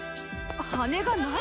羽がない？